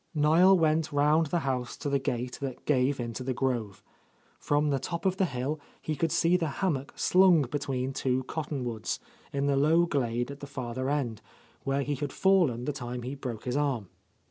Niel went round the house to the gate that gave into the grove. From the top of the hill he could see the hammock slung between two cot tonwoods, in the low glade at the farther end, where he had fallen the time he broke bis arm.